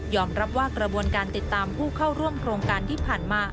รับว่ากระบวนการติดตามผู้เข้าร่วมโครงการที่ผ่านมา